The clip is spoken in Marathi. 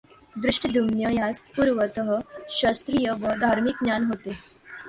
धृष्टद्युम्न यास पुर्वतः क्षत्रीय व धा र्मिक ज्ञान होते.